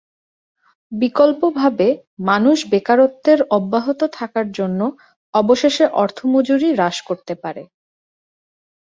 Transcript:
বিকল্পভাবে, মানুষ বেকারত্বের অব্যাহত থাকার জন্য অবশেষে অর্থ মজুরি হ্রাস করতে পারে।